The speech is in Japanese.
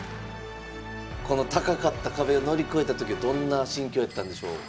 この高かった壁を乗り越えた時はどんな心境やったんでしょう？